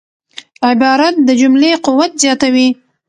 عبارت د جملې قوت زیاتوي.